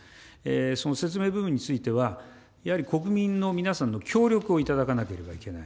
その説明部分については、やはり国民の皆さんの協力をいただかなければいけない。